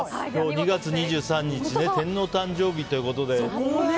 ２月２３日天皇誕生日ということで。